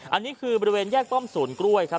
อันนี้คือบริเวณแยกป้อมศูนย์กล้วยครับ